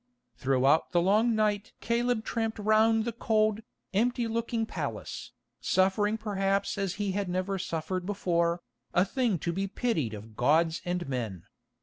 Throughout the long night Caleb tramped round the cold, empty looking palace, suffering perhaps as he had never suffered before, a thing to be pitied of gods and men.